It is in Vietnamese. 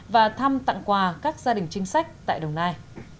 và thăm tặng quà các gia đình chính sách tại đồng nai